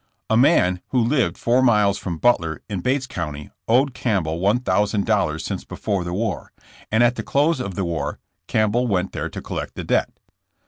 A man who lived four miles from Butler, in Bates County, owed Campbell $1,000 since before the war, and at the close of the war Campbell went there to collect the debt.